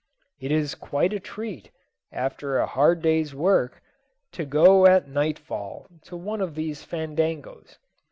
It is quite a treat, after a hard day's work, to go at nightfall to one of these fandangos.